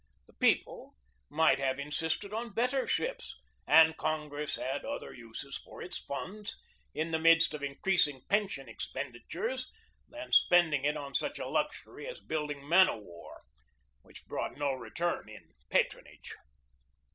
The people might have in sisted on better ships, and Congress had other uses for its funds, in the midst of increasing pension ex penditures, than spending it on such a luxury as building men of war, which brought no return in patronage.